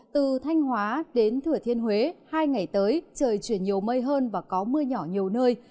từ thanh hóa đến thửa thiên huế hai ngày tới trời chuyển nhiều mây hơn và có mưa nhỏ nhiều nơi